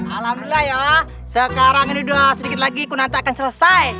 alhamdulillah ya sekarang ini udah sedikit lagi kunantan akan selesai